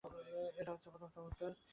এটা হচ্ছে প্রথম চমৎকার।